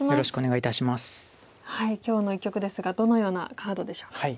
今日の一局ですがどのようなカードでしょうか。